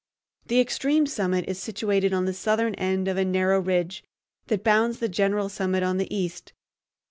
The extreme summit is situated on the southern end of a narrow ridge that bounds the general summit on the east.